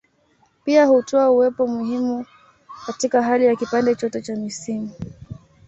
Pia hutoa uwepo muhimu katika hali ya kipande chote cha misimu.